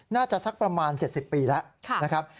สักประมาณ๗๐ปีแล้วนะครับ